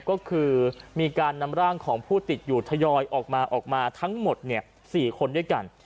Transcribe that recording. ก็คือมีการนำร่างของผู้ติดอยู่ทยอยออกมาออกมาทั้งหมด๔คนด้วยกัน